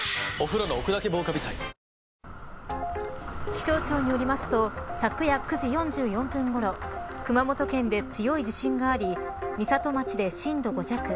気象庁によりますと昨夜９時４４分ごろ熊本県で強い地震があり美里町で震度５弱。